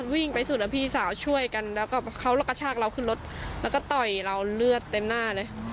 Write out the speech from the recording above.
วิ่งไปสุดแล้วพี่สาวช่วยกันแล้วก็เขากระชากเราขึ้นรถแล้วก็ต่อยเราเลือดเต็มหน้าเลย